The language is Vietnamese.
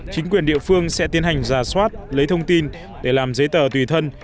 chính quyền địa phương sẽ tiến hành giả soát lấy thông tin để làm giấy tờ tùy thân